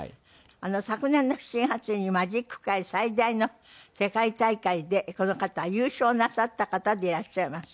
昨年の７月にマジック界最大の世界大会でこの方優勝なさった方でいらっしゃいます。